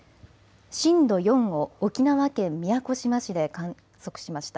震度４を沖縄県宮古島市で観測しました。